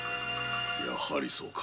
やはりそうか。